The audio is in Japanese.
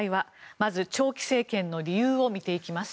まず、長期政権の理由を見ていきます。